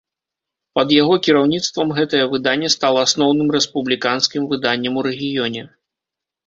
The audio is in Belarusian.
Пад яго кіраўніцтвам гэтае выданне стала асноўным рэспубліканскім выданнем у рэгіёне.